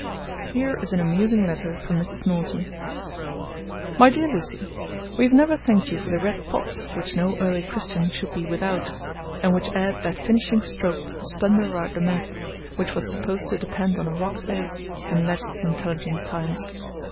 "' Here is an amusing letter from Mrs. Norton: MY DEAR LUCIE, We have never thanked you for the red Pots, which no early Christian should be without, and which add that finishing stroke to the splendour of our demesne, which was supposed to depend on a roc's egg, in less intelligent times.